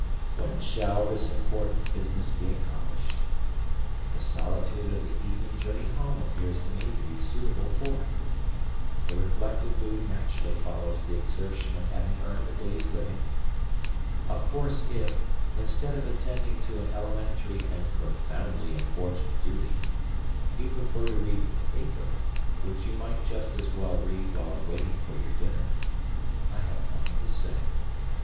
When shall this important business be accomplished? The solitude of the evening journey home appears to me to be suitable for it. A reflective mood naturally follows the exertion of having earned the day's living. Of course if, instead of attending to an elementary and profoundly important duty, you prefer to read the paper (which you might just as well read while waiting for your dinner) I have nothing to say.